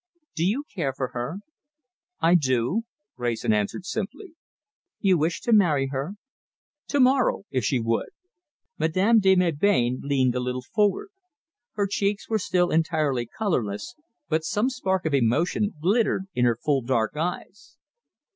Do you care for her?" "I do!" Wrayson answered simply. "You wish to marry her?" "To morrow, if she would!" Madame de Melbain leaned a little forward. Her cheeks were still entirely colourless, but some spark of emotion glittered in her full dark eyes.